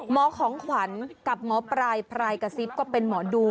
หมอของขวัญกับหมอปลายพรายกระซิบก็เป็นหมอดู